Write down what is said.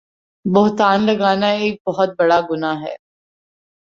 بہتان لگانا ایک بہت بڑا گناہ ہے